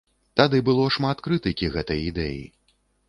Тады было шмат крытыкі гэтай ідэі.